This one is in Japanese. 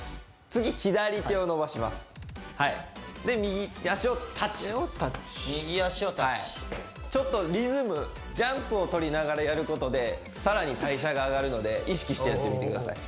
次左手を伸ばしますで右足をタッチ右足をタッチちょっとリズムジャンプを取りながらやることで更に代謝が上がるので意識してやってみてください